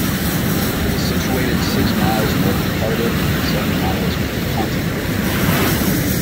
It is situated six miles north of Cardiff and seven miles from Pontypridd.